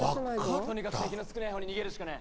とにかく敵の少ねえほうに逃げるしかねえ！